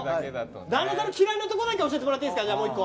旦那さんの嫌いなところだけ教えてもらっていいですか。